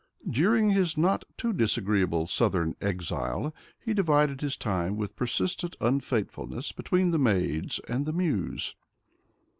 During his not too disagree able southern exile he divided his time with persistent unfaith fulness between the maids and the Muse.